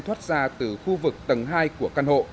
thoát ra từ khu vực tầng hai của căn hộ